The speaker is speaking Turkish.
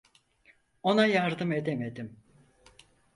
Ona yardım edemedim.